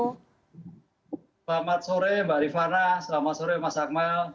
selamat sore mbak rifana selamat sore mas akmal